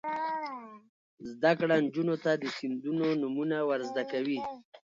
زده کړه نجونو ته د سیندونو نومونه ور زده کوي.